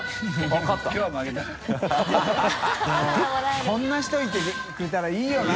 任こんな人いてくれたらいいよな。